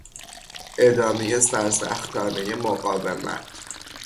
ادامهی سرسختانهی مقاومت